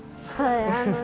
はい。